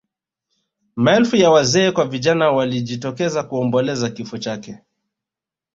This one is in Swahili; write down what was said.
maelfu ya wazee kwa vijana walijitokeza kuomboleza kifo chake